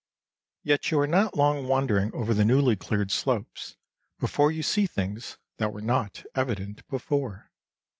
Yet you are not long wandering over the newly cleared slopes before you see things that were not evident before.